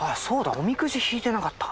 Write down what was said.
おみくじ引いてなかったわ。